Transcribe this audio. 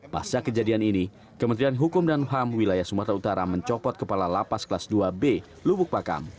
pasca kejadian ini kementerian hukum dan ham wilayah sumatera utara mencopot kepala lapas kelas dua b lubuk pakam